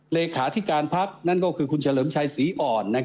เลขาธิการพักนั่นก็คือคุณเฉลิมชัยศรีอ่อน